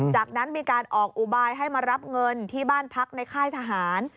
จากนั้นมีการออกอุบายให้มารับเงินที่บ้านพักในค่ายทหาร